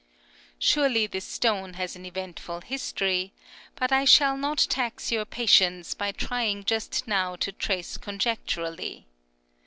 Surely this stone has an eventful history, but I shall not tax your patience by trying just now to trace conjecturally.